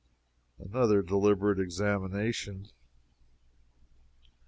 Another deliberate examination.